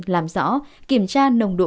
làm rõ kiểm tra nồng độ